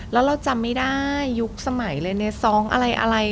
แล้วเราจำไม่ได้ยุคสมัยเลยในซองอะไรอะไร